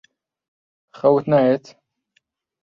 خەوت نایەت؟